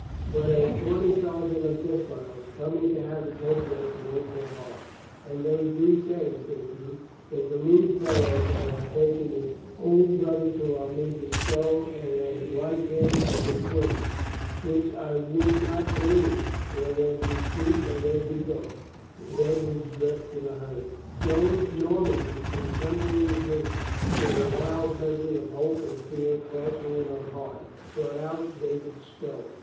But a tawny sergeant of Desborough's coming to have his head dressed woke her heart. "And they do say," says he, "that the lewd fellow they have taken is own brother to our Major Stow and as like him as a twin. Which I wunnot believe. For there be sheep and there be goats." His head was dressed in a hurry. Joan Normandy, In trembling haste, with a wild medley of hope and fear clashing in her heart, sought out David Stow.